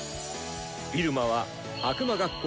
入間は悪魔学校